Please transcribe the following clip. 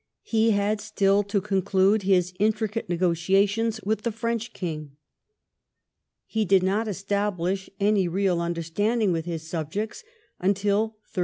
He had still to conclude his intricate negotia tions with the French king. He did not establish any real understanding with his subjects until 1301.